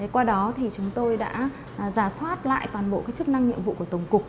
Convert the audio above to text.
qua đó thì chúng tôi đã giả soát lại toàn bộ chức năng nhiệm vụ của tổng cục